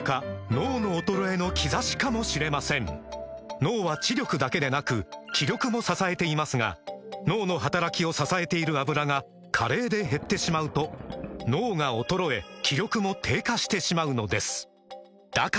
脳の衰えの兆しかもしれません脳は知力だけでなく気力も支えていますが脳の働きを支えている「アブラ」が加齢で減ってしまうと脳が衰え気力も低下してしまうのですだから！